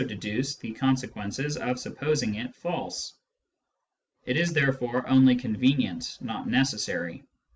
deduce the con sequences of supposing it false. It is therefore only convenient, not necessary.